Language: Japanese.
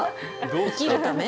生きるため？